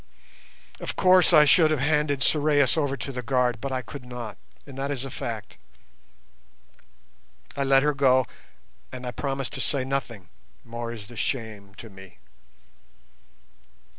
Of course I should have handed Sorais over to the guard, but I could not, and that is a fact. I let her go and I promised to say nothing, more is the shame to me.